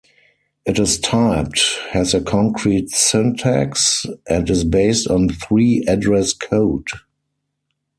It is typed, has a concrete syntax and is based on three-address code.